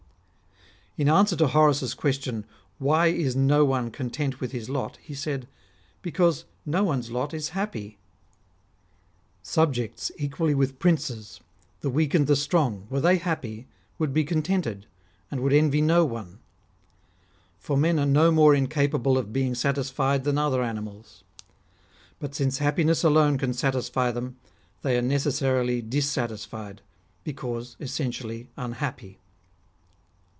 In answer to Horace's question, " Wliy is no one con tent with his lot ?" he said :" Because no one's lot is happy. Subjects equally with princes, the weak and the strong, were they happy, would be contented, and would envy no one. For men are no more incapable of being satisfied than other animals. But since happiness alone can satisfy them, they are necessarily dissatisfied, because essentially unhappy."